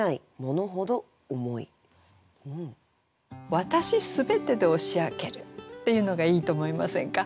「わたし全てで押し開ける」っていうのがいいと思いませんか。